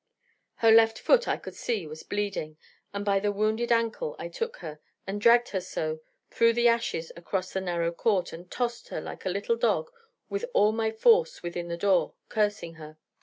Her left foot, I could see, was bleeding: and by the wounded ankle I took her, and dragged her so through the ashes across the narrow court, and tossed her like a little dog with all my force within the door, cursing her.